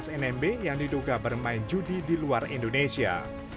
luka nmb yang diduga bermain judi di luar indonesia